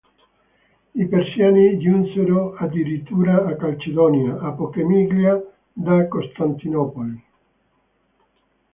I Persiani giunsero addirittura a Calcedonia, a poche miglia da Costantinopoli.